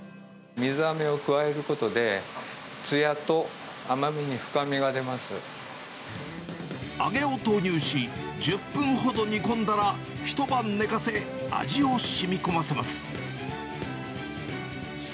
水あめを加えることで、揚げを投入し、１０分ほど煮込んだら一晩寝かせ、味をしみこませます。